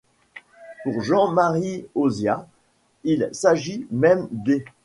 Pour Jean-Marie Auzias, il s'agit même d'.